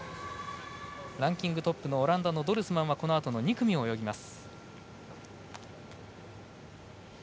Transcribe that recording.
ランキングトップのオランダのドルスマンはこのあとの２組を泳ぎます。